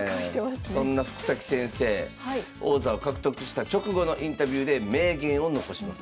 そんな福崎先生王座を獲得した直後のインタビューで名言を残します。